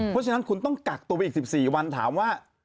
เพราะฉะนั้นคุณต้องกักตัวไปอีก๑๔วันถามว่า